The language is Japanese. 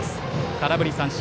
空振り三振。